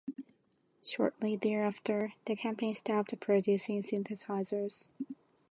Shortly thereafter the company stopped producing synthesizers.